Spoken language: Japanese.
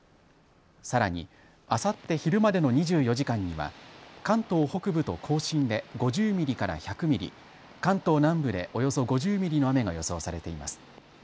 さらに、あさって昼までの２４時間には関東北部と甲信で５０ミリから１００ミリ、関東南部でおよそ５０ミリの雨が予想されています。